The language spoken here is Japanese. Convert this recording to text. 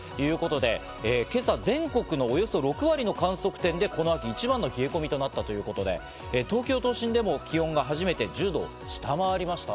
気温１３．９度、湿度４５％ということで今朝全国のおよそ６割の観測点で、この秋一番の冷え込みとなったということで、東京都心でも気温が初めて１０度を下回りました。